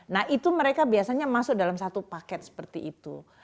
nah itu mereka biasanya masuk dalam satu paket seperti itu